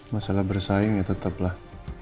masalah bersaing ya tetaplah